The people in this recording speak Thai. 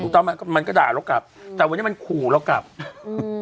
ต้องไหมก็มันก็ด่าเรากลับแต่วันนี้มันขู่เรากลับอืม